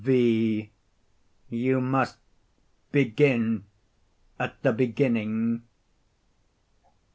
V. You must begin at the beginning.